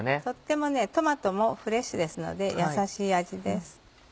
とってもねトマトもフレッシュですのでやさしい味です。